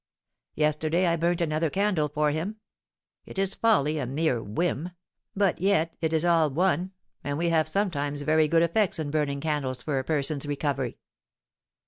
Yesterday I burnt another candle for him. It is folly, a mere whim, but yet it is all one, and we have sometimes very good effects in burning candles for a person's recovery."